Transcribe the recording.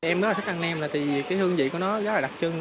em rất là thích ăn nem là vì cái hương vị của nó rất là đặc trưng